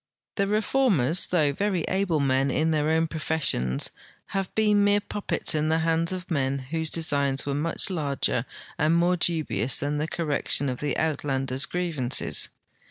The Reformers, though veiy able men in their own professions, have been mere puppets in the hands of men whose designs were much larger and more dubious than the correction of the Uitland ers' grievances.